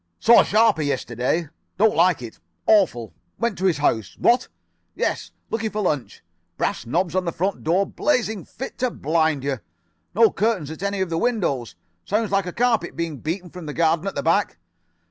"Saw Sharper yesterday. Don't like it. Awful. Went to his house. What? Yes, looking for lunch. Brass knob on the front door blazing fit to blind you. No curtains at any of the windows. Sound like a carpet being beaten from the garden at the back.